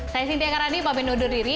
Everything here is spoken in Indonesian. saya sintiakaradi mbak benudur diri